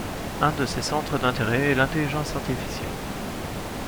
Un de ses centres d'intérêt est l'intelligence artificielle.